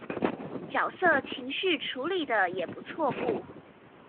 角色情緒處理的也很不錯不